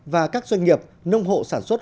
và các doanh nghiệp nông hộ sản xuất